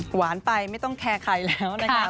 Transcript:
หวานไปไม่ต้องแคร์ใครแล้วนะคะ